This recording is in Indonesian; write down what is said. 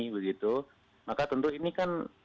begitu maka tentu ini kan